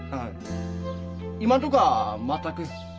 今のとこは全く。